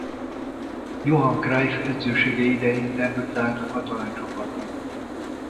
Johan Cruijff edzősége idején debütált a katalán csapatban.